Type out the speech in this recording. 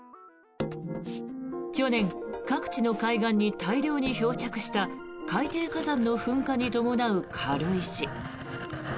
去年、各地の海岸に大量に漂着した海底火山の噴火に伴う軽石。